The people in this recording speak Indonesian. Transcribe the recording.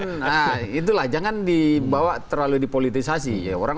nah itulah jangan dibawa terlalu dipolitisasi